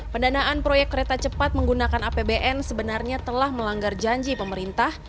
pendanaan proyek kereta cepat menggunakan apbn sebenarnya telah melanggar janji pemerintah